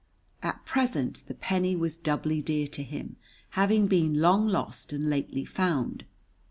At present the penny was doubly dear to him, having been long lost and lately found.